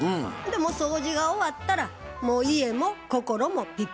もう掃除が終わったらもう家も心もピッカピカ。